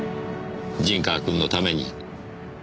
陣川君のために。